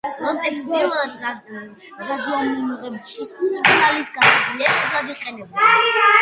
ლამპებს პირველად რადიომიმღებში სიგნალის გასაძლიერებლად იყენებდნენ.